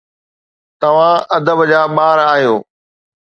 توهان ادب جا ٻار آهيو